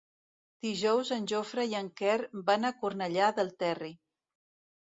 Dijous en Jofre i en Quer van a Cornellà del Terri.